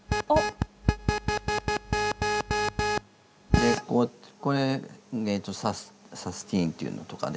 でこうこれサステインっていうのとかで。